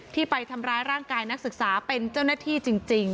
ที่ไปทำร้ายร่างกายนักศึกษาเป็นเจ้าหน้าที่จริง